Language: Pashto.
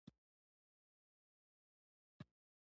الوتکه د آسمان هنداره ده.